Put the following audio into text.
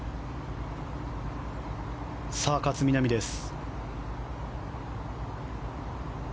さあ、勝みなみです。